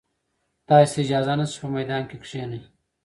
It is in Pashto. تاسي ته اجازه نشته چې په میدان کې کښېنئ.